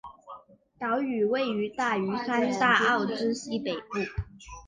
岛屿位于大屿山大澳之西北部。